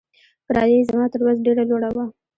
کرایه یې زما تر وس ډېره لوړه وه.